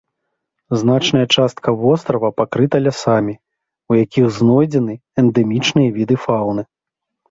Значная частка вострава пакрыта лясамі, у якіх знойдзены эндэмічныя віды фаўны.